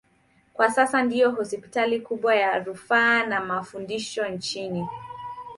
Kwa sasa ndiyo hospitali kubwa ya rufaa na mafundisho nchini.